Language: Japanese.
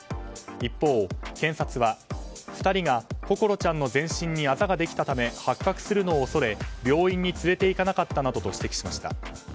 一方、検察は２人が心ちゃんの全身にあざができたため発覚するのを恐れ病院に連れていかなかったなどと指摘しました。